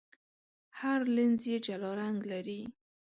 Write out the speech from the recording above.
هر لینز یې جلا رنګ لري.